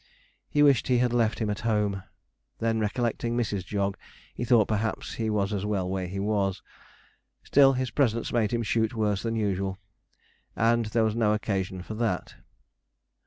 He wished he had left him at home. Then recollecting Mrs. Jog, he thought perhaps he was as well where he was. Still his presence made him shoot worse than usual, and there was no occasion for that.